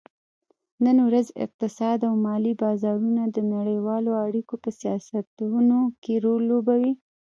نن ورځ اقتصاد او مالي بازارونه د نړیوالو اړیکو په سیاستونو کې رول لوبوي